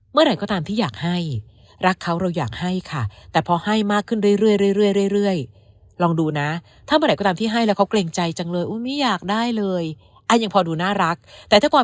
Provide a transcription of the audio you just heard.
เมื่อไหร่ก็ตามที่อยากให้รักเขาเราอยากให้ค่ะ